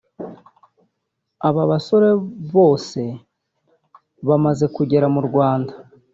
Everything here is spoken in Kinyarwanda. Aba basore bose bamaze kugera mu Rwanda